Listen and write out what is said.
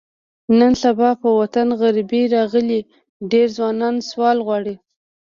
نن سبا په وطن غریبي راغلې، ډېری ځوانان سوال غواړي.